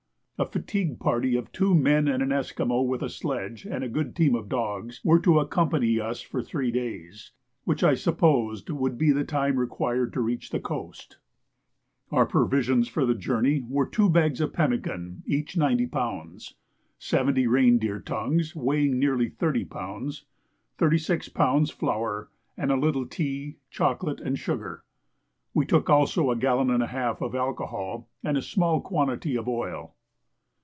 A fatigue party of two men, and an Esquimaux with a sledge and good team of dogs, were to accompany us for three days, which I supposed would be the time required to reach the coast. Our provisions for the journey were two bags of pemmican, each 90 lbs., 70 reindeer tongues weighing nearly 30 lbs., 36 lbs. flour, and a little tea, chocolate, and sugar. We took also a gallon and a half of alcohol and a small quantity of oil.